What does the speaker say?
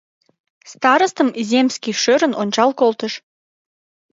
Старостым земский шӧрын ончал колтыш.